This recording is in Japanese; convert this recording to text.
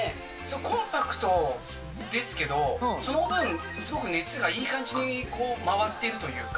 コンパクトですけど、その分、すごく熱がいい感じに、回っているというか。